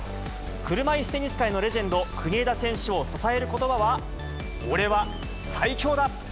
車いすテニス界のレジェンド、国枝選手を支えることばは、俺は最強だ！